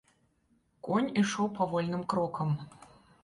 Конь ішоў павольным крокам.